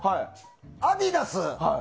アディダス。